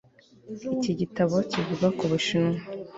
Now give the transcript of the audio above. Iki gitabo kivuga ku Bushinwa